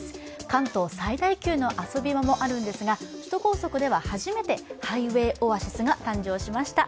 関東最大級の遊び場もあるんですが、首都高速では初めてハイウェイオアシスが誕生しました。